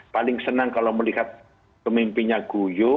paling senang kalau melihat pemimpinnya guyo